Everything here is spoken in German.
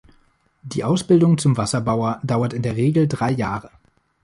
Die Ausbildung zum Wasserbauer dauert in der Regel drei Jahre.